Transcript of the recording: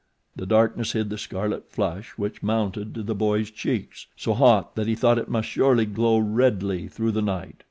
The darkness hid the scarlet flush which mounted to the boy's cheeks so hot that he thought it must surely glow redly through the night.